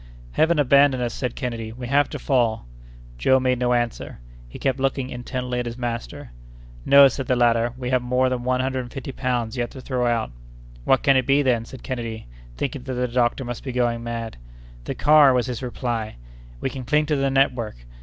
"Heaven abandons us!" said Kennedy; "we have to fall!" Joe made no answer. He kept looking intently at his master. "No!" said the latter; "we have more than one hundred and fifty pounds yet to throw out." "What can it be, then?" said Kennedy, thinking that the doctor must be going mad. "The car!" was his reply; "we can cling to the network.